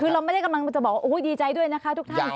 คือเราไม่ได้กำลังจะบอกว่าดีใจด้วยนะคะทุกท่าน